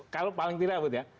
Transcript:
kalau paling tidak ya